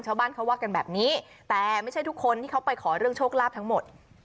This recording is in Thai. ชาวบ้านเขาว่ากันแบบนี้แต่ไม่ใช่ทุกคนที่เขาไปขอเรื่องโชคลาภทั้งหมด